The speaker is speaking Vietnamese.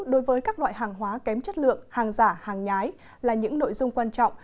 đối với các loại hàng hóa kém chất lượng hàng giả hàng nhái là những nội dung quan trọng